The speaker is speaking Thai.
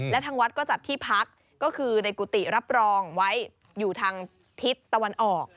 และทางวัดก็จัดที่พักก็คือในกุฏิรับรองไว้อยู่ทางทิศตะวันออก